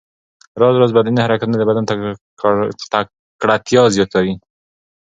راز راز بدني حرکتونه د بدن تکړتیا زیاتوي.